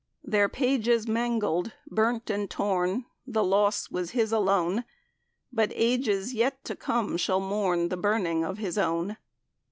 "Their pages mangled, burnt and torn, The loss was his alone; But ages yet to come shall mourn The burning of his own."